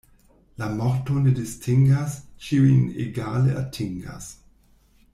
La morto ne distingas, ĉiujn egale atingas.